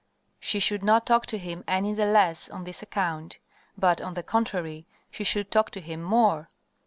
She should not talk to him any the less on this account, but, on the contrary, she should talk to him more.